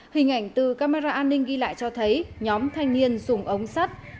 hình ảnh từ camera an ninh ghi lại cho thấy nhóm thanh niên dùng ống sắt